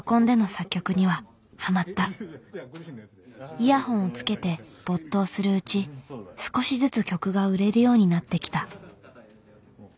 イヤホンをつけて没頭するうち少しずつ曲が売れるようになってきた。